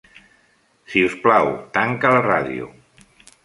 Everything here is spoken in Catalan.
Si us plau, tanca la ràdio.